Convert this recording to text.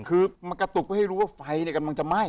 คือมากระตุกก็ให้รู้ว่าไฟเนี่ยกำลังจะไหม้